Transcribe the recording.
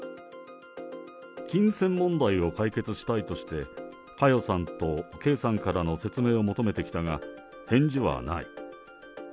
金銭問題を解決したいとして、佳代さんと圭さんから説明を求めてきたが、返事はない。